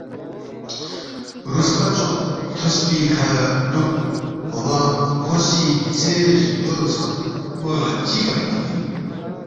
رُوسپہ ژوق تھوسفی کھہ ڈُوک، اون٘ا کھو سی دیژے زدور ژھنگمہ چِہ فری تنگفی اِن؟